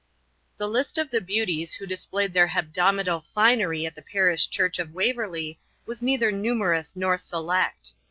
The list of the beauties who displayed their hebdomadal finery at the parish church of Waverley was neither numerous nor select.